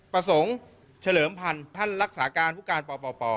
ประสงค์เฉลิมพันธ์ท่านรักษาการผู้การปป